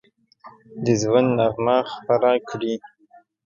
د ژوند نغمه خپره کړي